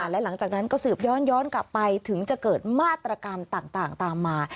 และหลังจากนั้นก็สืบย้อนกลับไปถึงจะเกิดมาตรการต่างตามมา